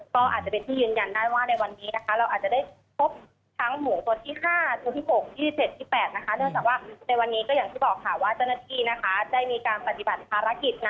ก็อาจจะเป็นที่ยืนยันได้ว่าในวันนี้นะคะเราอาจจะได้พบทั้งหมูตัวที่๕ตัวที่๖ตัวที่๗ตัวที่๘นะคะ